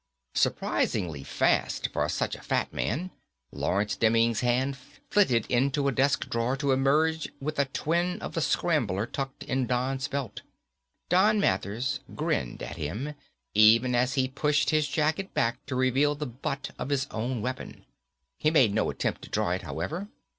Surprisingly fast for such a fat man, Lawrence Demming's hand flitted into a desk drawer to emerge with a twin of the scrambler tucked in Don's belt. Don Mathers grinned at him, even as he pushed his jacket back to reveal the butt of his own weapon. He made no attempt to draw it, however.